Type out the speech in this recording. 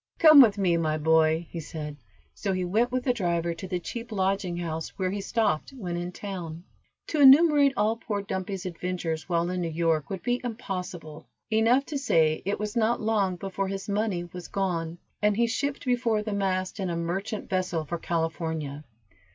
"Come with me, my boy," he said, so he went with the driver to the cheap lodging house, where he stopped when in town. To enumerate all poor Dumpy's adventures while in New York would be impossible. Enough to say it was not long before his money was gone, and he shipped before the mast in a merchant vessel for California.